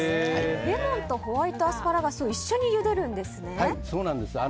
レモンとホワイトアスパラガスを一緒にゆでるんですね。